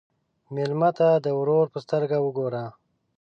مېلمه ته د ورور په سترګه وګوره.